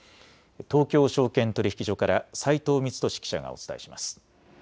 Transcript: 東京証券取引所から斉藤光峻記者がお伝えします。